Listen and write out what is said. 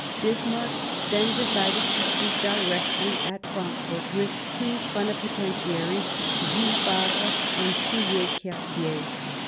Bismarck then decided to treat directly at Frankfort with two plenipoten tiaries, Jules Favre and Pouyer Quertier.